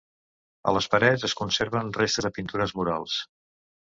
A les parets es conserven restes de pintures murals.